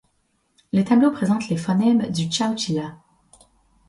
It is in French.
Les tableaux présentent les phonèmes du chawchila.